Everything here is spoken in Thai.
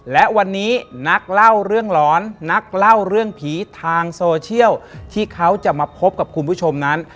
และวันนี้นักเล่าเรื่องหลอนนักเล่าเรื่องผีทางโซเชียลที่เขาจะมาพบกับคุณผู้ชมนั้น